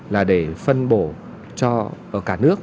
là để phân bổ cho cả nước